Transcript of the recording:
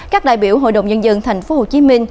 các đại biểu hội đồng nhân dân tp hcm